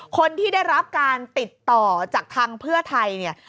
คนที่ได้รับการติดต่อจากทางเพื่อไทยเนี่ย